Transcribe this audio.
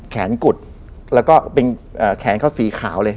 แขนกุดแล้วก็แขนเขาสีขาวเลย